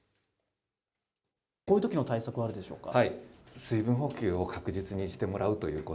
こういうときの対策はあるでしょうか。